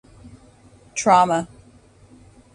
Trauma.